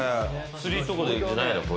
釣りとかじゃないの？